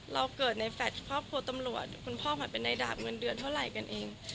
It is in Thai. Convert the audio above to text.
เราเกิดในแฟลชครอบครัวตำรวจคุณพ่อขวัญเป็นในดาบเงินเดือนเท่าไหร่กันเอง